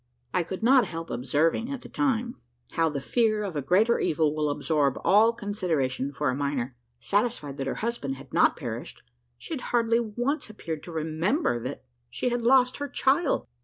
I could not help observing, at the time, how the fear of a greater evil will absorb all consideration for a minor. Satisfied that her husband had not perished, she had hardly once appeared to remember that she had lost her child.